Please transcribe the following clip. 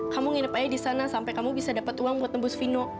kamu nginep aja disana sampai kamu bisa dapet uang buat nebus vino